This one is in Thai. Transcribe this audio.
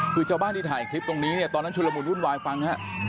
คือเจ้าบ้านที่ถ่ายคลิปตรงนี้ตอนนั้นชุลมุทรรุ่นวายฟังครับ